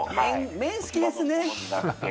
麺、好きですね。